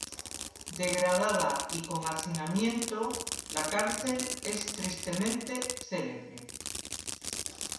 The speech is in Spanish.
Degradada y con hacinamiento, la cárcel es tristemente celebre.